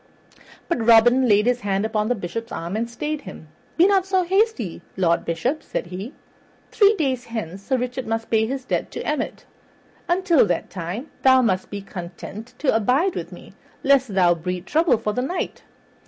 But Robin laid his hand upon the Bishop's arm and stayed him. "Be not so hasty, Lord Bishop," said he. "Three days hence Sir Richard must pay his debts to Emmet; until that time thou must be content to abide with me lest thou breed trouble for the Knight.